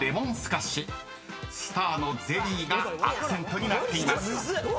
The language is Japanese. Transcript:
［スターのゼリーがアクセントになっています］